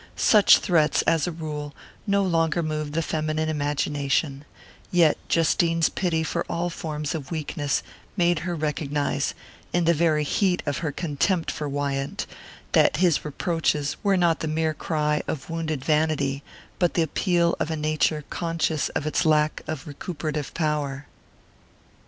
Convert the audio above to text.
Such threats, as a rule, no longer move the feminine imagination; yet Justine's pity for all forms of weakness made her recognize, in the very heat of her contempt for Wyant, that his reproaches were not the mere cry of wounded vanity but the appeal of a nature conscious of its lack of recuperative power.